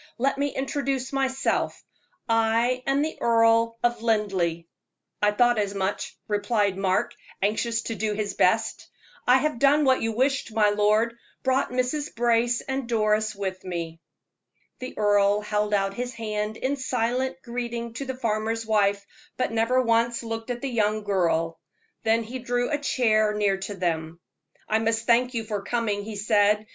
"Let me introduce myself I am the Earl of Linleigh." "I thought as much," replied Mark, anxious to do his best. "I have done what you wished, my lord brought Mrs. Brace and Doris with me." The earl held out his hand in silent greeting to the farmer's wife, but never once looked at the young girl. Then he drew a chair near to them. "I must thank you for coming," he said.